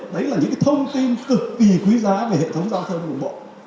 đấy là những thông tin cực kỳ quý giá về hệ thống giao thông đường bộ